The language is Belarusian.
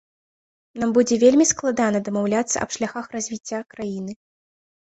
Нам будзе вельмі складана дамаўляцца аб шляхах развіцця краіны.